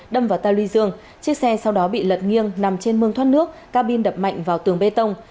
đâm vào tàu ly dương chiếc xe sau đó bị lật nghiêng nằm trên mương thoát nước ca bin đập mạnh vào tường bê tông